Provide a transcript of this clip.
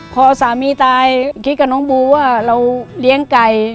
พอสามีตายคิดกับน้องบูว่าเราเลี้ยงไก่